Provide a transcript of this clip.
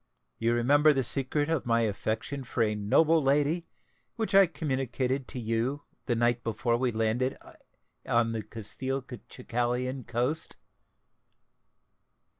You remember the secret of my affection for a noble lady, which I communicated to you the night before we landed on the Castelcicalan coast?"